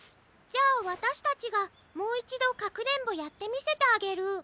じゃあわたしたちがもういちどかくれんぼやってみせてあげる。